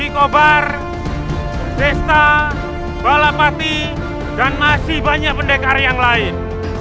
kobar desta balapati dan masih banyak pendekar yang lain